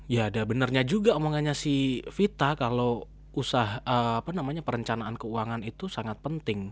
ya ada benarnya juga omongannya si vita kalau usaha apa namanya perencanaan keuangan itu sangat penting